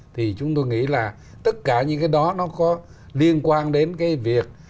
thì chúng tôi nghĩ là tất cả những cái đó nó có liên quan đến cái việc